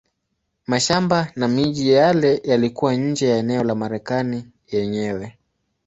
Mashamba na miji yale yalikuwa nje ya eneo la Marekani yenyewe.